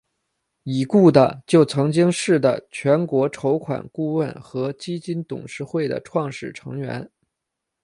已故的就曾经是的全国筹款顾问和基金董事会的创始成员。